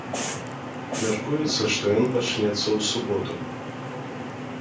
Мяркуецца, што ён пачнецца ў суботу.